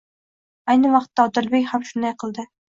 Ayni vaqtda Odilbek ham shunday qildi.